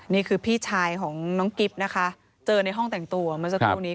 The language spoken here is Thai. นี่คือพี่ชายของน้องกิ๊บนะคะเจอในห้องแต่งตัวเมื่อสักครู่นี้